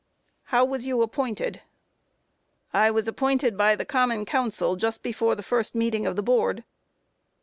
Q. How was you appointed? A. I was appointed by the Common Council just before the first meeting of the board.